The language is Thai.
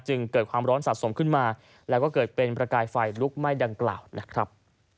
จึงเกิดความร้อนสะสมขึ้นมาแล้วก็เกิดเป็นประกายไฟลุกไหม้ดังกล่าวนะครับ